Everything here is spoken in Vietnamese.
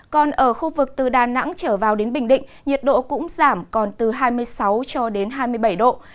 còn ở khu vực từ đà nẵng trở vào đến bình định nhiệt độ cũng giảm còn từ hai mươi sáu cho đến hai mươi bảy độ